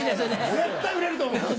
絶対売れると思います！